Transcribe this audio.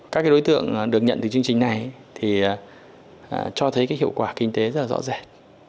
các cái đối tượng được nhận từ chương trình này thì cho thấy cái hiệu quả kinh tế rất là rõ ràng